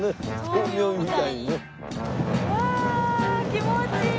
うわあ気持ちいい！